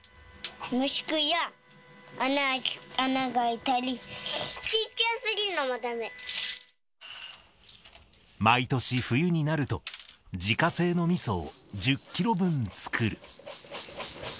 虫食いや穴が開いたり、毎年、冬になると、自家製のみそを１０キロ分作る。